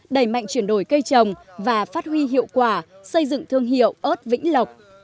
đẩy mạnh chuyển đổi cây trồng và phát huy hiệu quả xây dựng thương hiệu ớt vĩnh lộc